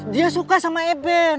dia suka sama eben